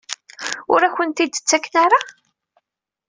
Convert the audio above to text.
Ur akent-ten-id-ttaken ara?